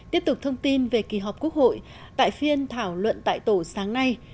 tiếp tục thông tin về kỳ họp quốc hội tại phiên thảo luận tại tổ sáng nay